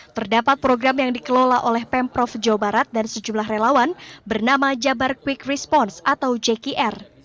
terdapat program yang dikelola oleh pemprov jawa barat dan sejumlah relawan bernama jabar quick response atau jkr